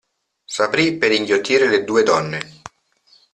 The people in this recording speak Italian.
S'aprì per inghiottire le due donne.